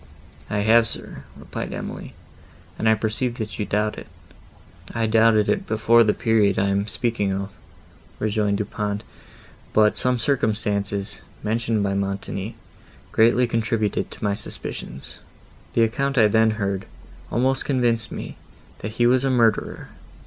"I have, sir," replied Emily, "and I perceive, that you doubt it." "I doubted it before the period I am speaking of," rejoined Du Pont;—"but some circumstances, mentioned by Montoni, greatly contributed to my suspicions. The account I then heard, almost convinced me, that he was a murderer.